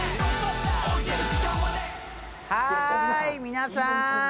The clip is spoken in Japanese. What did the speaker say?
はい皆さん。